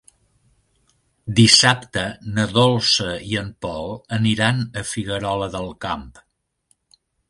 Dissabte na Dolça i en Pol aniran a Figuerola del Camp.